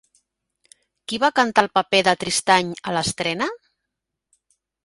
Qui va cantar el paper de Tristany a l'estrena?